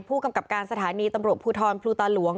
ผู้กำกับการสถานีตำรวจภูทรพลูตาหลวง